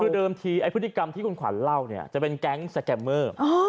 คือเดิมทีพฤติกรรมที่คุณขวานเล่าจะเป็นแก๊งสแก็มเมอร์